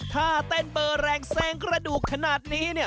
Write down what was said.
ท่าเต้นเบอร์แรงแซงกระดูกขนาดนี้